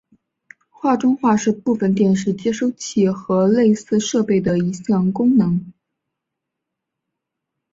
画中画是部分电视接收器和类似设备的一项功能。